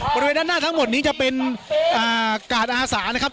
บริเวณด้านหน้าทั้งหมดนี้จะเป็นกาดอาสานะครับ